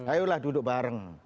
ayolah duduk bareng